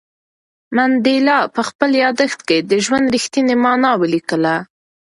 منډېلا په خپل یادښت کې د ژوند رښتینې مانا ولیکله.